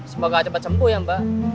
semoga cepat sembuh ya mbak